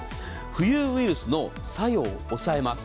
浮遊ウイルスの作用を抑えます。